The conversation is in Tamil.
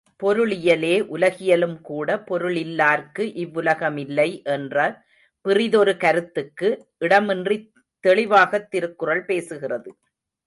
பொருளியலே உலகியலும்கூட பொருளில்லார்க்கு இவ்வுலகமில்லை என்ற பிறிதொரு கருத்துக்கு இடமின்றித் தெளிவாகத் திருக்குறள் பேசுகிறது.